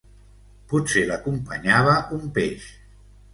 Potser l'acompanyava un peix.